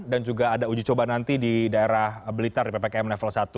dan juga ada uji coba nanti di daerah belitar di ppkm level satu